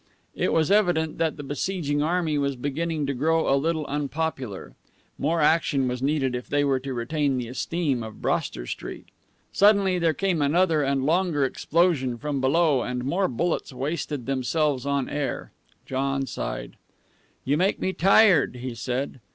It was evident that the besieging army was beginning to grow a little unpopular. More action was needed if they were to retain the esteem of Broster Street. Suddenly there came another and a longer explosion from below, and more bullets wasted themselves on air. John sighed. "You make me tired," he said.